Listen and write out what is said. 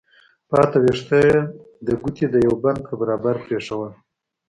پاتې ويښته يې د ګوتې د يوه بند په برابر پرېښوول.